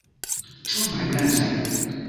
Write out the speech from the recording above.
Tro malgrandaj.